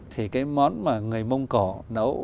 thì cái món mà người mông cổ nấu